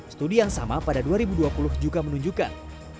studi yang sama pada dua ribu dua puluh juga menunjukkan